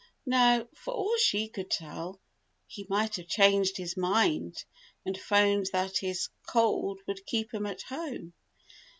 Now, for all she could tell, he might have changed his mind, and 'phoned that his cold would keep him at home.